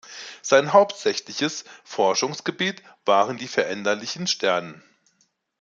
Sein hauptsächliches Forschungsgebiet waren die veränderlichen Sterne.